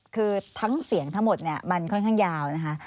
คือทั้งเสียงทั้งหมดเนี่ยมันค่อนข้างยาวนะคะ